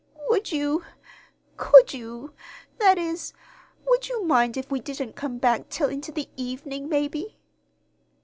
Would you could you that is, would you mind if we didn't come back till into the evenin', maybe?"